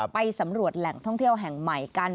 ไปสำรวจแหล่งท่องเที่ยวแห่งใหม่กัน